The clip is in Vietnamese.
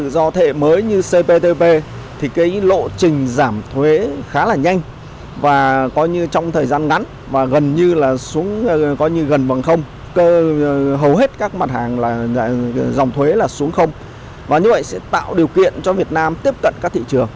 dòng thuế là xuống không và như vậy sẽ tạo điều kiện cho việt nam tiếp cận các thị trường